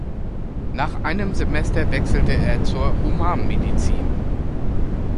Nach einem Semester wechselte er zur Humanmedizin.